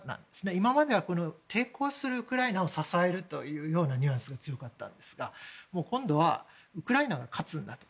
今までは抵抗するウクライナを支えるというようなニュアンスが強かったんですが今度はウクライナが勝つんだと。